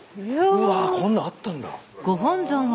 うわこんなんあったんだ。